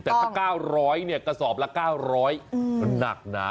แต่ถ้า๙๐๐เนี่ยกระสอบละ๙๐๐มันหนักนะ